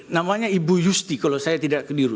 namanya ibu yusti kalau saya tidak kediru